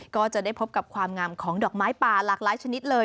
ก็จะได้พบกับความงามของดอกไม้ป่าหลากหลายชนิดเลย